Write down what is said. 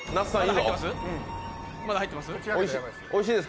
まだ入ってます？